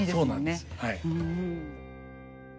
そうなんですはい。